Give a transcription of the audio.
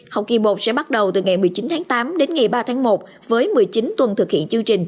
học kỳ một sẽ bắt đầu từ ngày một mươi chín tháng tám đến ngày ba tháng một với một mươi chín tuần thực hiện chương trình